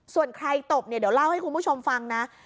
ส่วนใครตบเนี่ยเดี๋ยวเล่าให้คุณผู้ชมฟังนะ